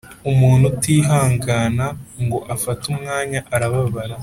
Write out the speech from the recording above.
umuntu utihangana, ngo afate umwanya arababara